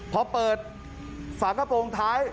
พอเปิดฝากระโปรงท้าย